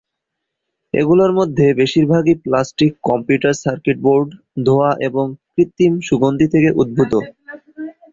এগুলোর মধ্যে বেশিরভাগই প্লাস্টিক, কম্পিউটার সার্কিট বোর্ড, ধোঁয়া এবং কৃত্রিম সুগন্ধি থেকে উদ্ভূত।